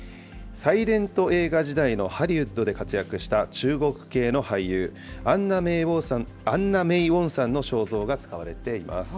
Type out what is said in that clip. サイレント映画時代のハリウッドで活躍した中国系の俳優、アンナ・メイ・ウォンさんの肖像が使われています。